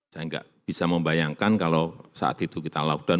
saya nggak bisa membayangkan kalau saat itu kita lockdown